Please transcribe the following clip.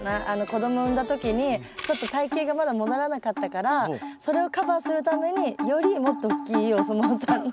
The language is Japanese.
子供産んだ時にちょっと体形がまだ戻らなかったからそれをカバーするためによりもっとおっきいお相撲さんの。